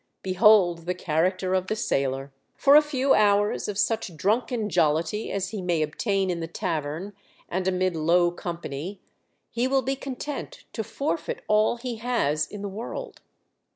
Behold the character of the sailor ! For a few hours of such drunken jollity as he may obtain in the tavern and amid low company, he will be content to forfeit all he has in the world.